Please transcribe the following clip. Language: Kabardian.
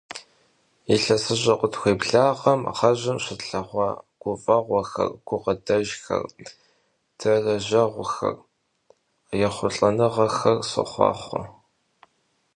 Yilhesış'e khıtxuêblağem ğejım şıtlheğua guf'eğuexer, gukhıdejjxer, derejjeğuexer, yêxhulh'enığexer soxhuaxhue!